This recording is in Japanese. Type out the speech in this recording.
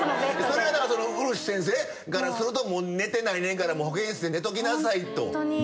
それはウルシ先生からすると寝てないねんから保健室で寝ときなさいと。